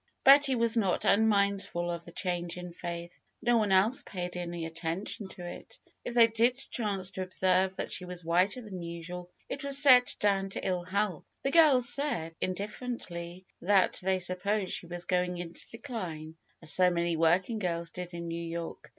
Betty was not unmindful of the change in Faith. Ho one else paid any attention to it. If they did chance to observe that she was whiter than usual, it was set down to ill health. The girls said, indifferently, that they supposed she was going into decline, as so many working girls did in Hew York.